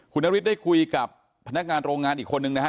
คุณนฤทธิได้คุยกับพนักงานโรงงานอีกคนนึงนะฮะ